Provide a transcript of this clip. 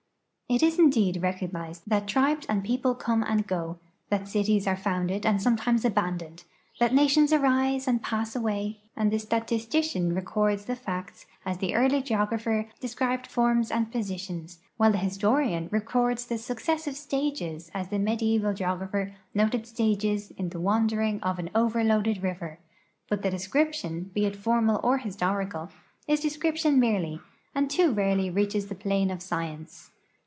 It is indeed recognized that tribes and 256 WORK OF THE NATIONAL GEOGRAPHIC SOCIETY peoples come and go, tiuit cities are founded and sometimes abandoned, that nations arise and pass away, and the statistician records the facts as the early geographer described forms and posi tions, while the historian records the successive stages as the medieval geogra[)her noted stages in the wandering of an over loaded river ; but the descri{>tion, he it formal or historical, is de scription merely, and too rarely reaches the plane of science.